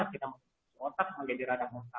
kita memotak menjadi radang motak